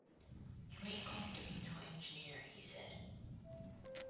'You ain't going to be no engineer', he said.